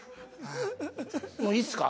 もういいっすか？